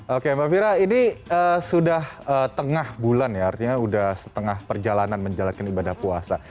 oke mbak fira ini sudah tengah bulan ya artinya sudah setengah perjalanan menjalankan ibadah puasa